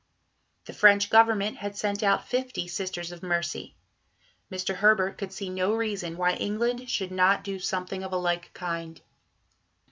The French Government had sent out fifty Sisters of Mercy. Mr. Herbert could see no reason why England should not do something of a like kind.